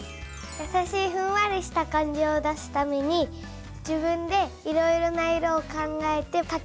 やさしいふんわりした感じを出すために自分でいろいろな色を考えてかきました。